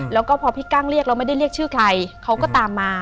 แล้วก็พอพี่กั้งเรียกเราไม่ได้เรียกชื่อใครเขาก็ตามมา